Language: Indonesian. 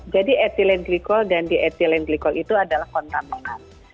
jadi ethylene glycol dan di ethylene glycol itu adalah kontra menang